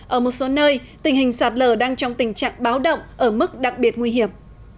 ở một số nơi tình hình sạt lở đang trong tình trạng báo động ở mức đặc biệt nguy hiểm